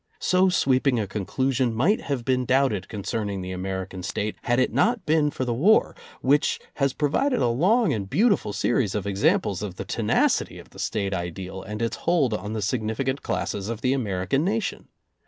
So sweeping a conclusion might have been doubted concerning the American State had it not been for the war, which has pro vided a long and beautiful series of examples of the tenacity of the State ideal and its hold on the significant classes of the American nation.